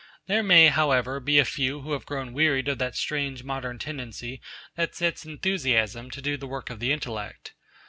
There may, however, be a few who have grown wearied of that strange modern tendency that sets enthusiasm to do the work of the intellect.